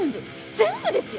全部ですよ！？